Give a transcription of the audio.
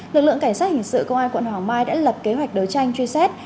lực lượng cảnh sát hình sự công an quận hoàng mai đã lập kế hoạch đấu tranh